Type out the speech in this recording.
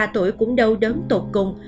sáu mươi ba tuổi cũng đau đớn tụt cùng